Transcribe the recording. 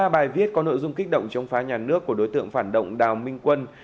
một mươi bài viết có nội dung kích động chống phá nhà nước của đối tượng phản động đào minh quân